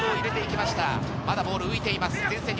まだボールが浮いています。